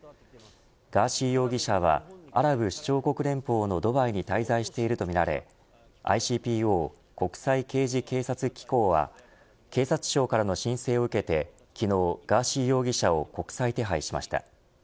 ガーシー容疑者はアラブ首長国連邦のドバイに滞在しているとみられＩＣＰＯ国際刑事警察機構は警察庁からの申請を受けて昨日、ガーシー容疑者を国際手配しました。